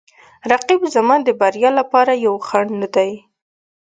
رقیب زما د بریا لپاره یو خنډ دی